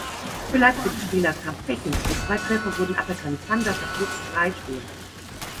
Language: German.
Für Leipzigs Spieler kam Pech hinzu, zwei Treffer wurden aberkannt, Zander verzog freistehend.